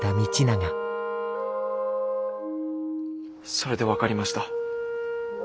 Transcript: それで分かりました。